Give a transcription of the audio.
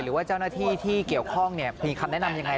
หรือว่าเจ้าหน้าที่ที่เกี่ยวข้องมีคำแนะนำยังไง